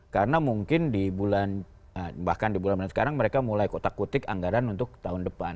karena mungkin di bulan bahkan di bulan sekarang mereka mulai kutak kutik anggaran untuk setahun